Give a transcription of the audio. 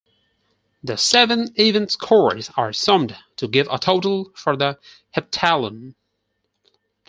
The seven event scores are summed to give a total for the heptathlon.